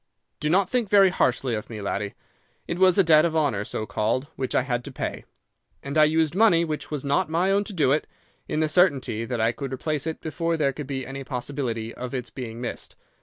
Do not think very harshly of me, laddie. It was a debt of honour, so called, which I had to pay, and I used money which was not my own to do it, in the certainty that I could replace it before there could be any possibility of its being missed.